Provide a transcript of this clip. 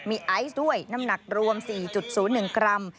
มีไอซ์ด้วยน้ำหนักรวม๔๐๑กรัม